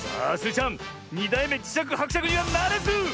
ちゃん２だいめじしゃくはくしゃくにはならず！